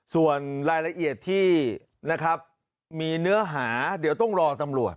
ส่วนรายละเอียดที่นะครับมีเนื้อหาเดี๋ยวต้องรอตำรวจ